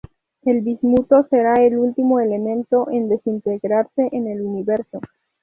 El bismuto será el último elemento en desintegrarse en el universo.